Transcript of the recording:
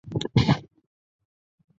公园已向机电工程署通报有关事故。